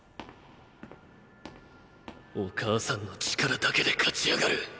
お母さんの力だけで勝ち上がる。